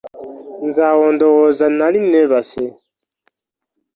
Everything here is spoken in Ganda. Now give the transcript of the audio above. Nze awo ndowooza nnali nneebase.